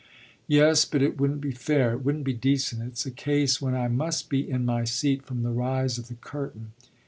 "Yes, but it wouldn't be fair, it wouldn't be decent: it's a case when I must be in my seat from the rise of the curtain."